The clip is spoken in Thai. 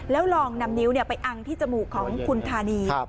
แล้วลองนำนิ้วไปอังที่จมูกของคุณธานี